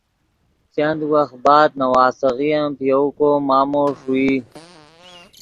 چند وخت بعد نواسیغے ام پے یؤ کو مامو ݰوئی